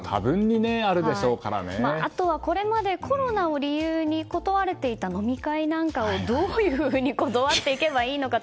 あとは、これまでコロナを理由に断れていた飲み会なんかをどういうふうに断っていけばいいのかって